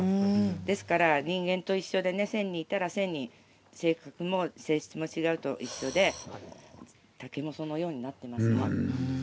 ですから人間と一緒でね１０００人いたら１０００人性格も性質も違うのと一緒で竹もそのようになっています。